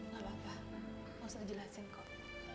gak apa apa maksudnya jelasin kok